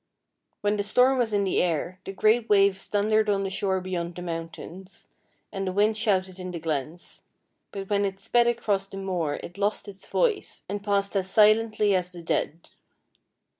When the storm was in the air the great waves thundered on the shore beyond the mountains, and the wind shouted in the glens ; but when it sped across the moor it lost its voice, and passed as silently as the dead.